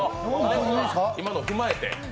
今のを踏まえて。